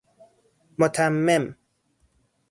متمم